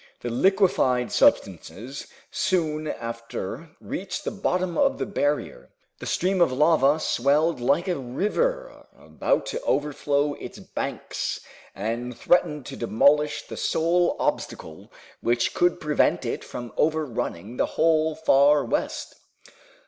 The liquefied substances soon after reached the bottom of the barrier. The stream of lava swelled like a river about to overflow its banks, and threatened to demolish the sole obstacle which could prevent it from overrunning the whole Far West.